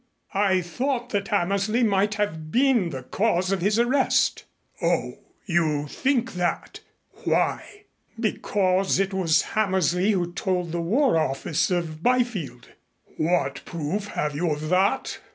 "I thought that Hammersley might have been the cause of his arrest." "Oh, you think that? Why?" "Because it was Hammersley who told the War Office of Byfield " "What proof have you of that?"